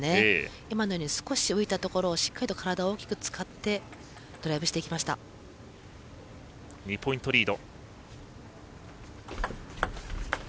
今のように少し浮いたところしっかりと体を大きく使って２ポイントリード。